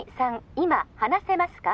今話せますか？